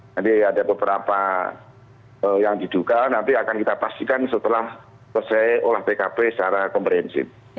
jadi ada beberapa yang diduga nanti akan kita pastikan setelah selesai olah pkp secara komprehensi